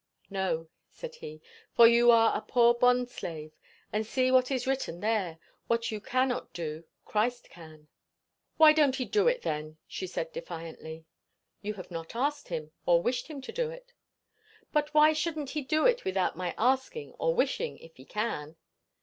"No," said he, "for you are a poor bond slave. But see what is written there. What you cannot do, Christ can." "Why don't he do it, then?" she said defiantly. "You have not asked him, or wished him to do it." "But why shouldn't he do it without my asking, or wishing, if he can?"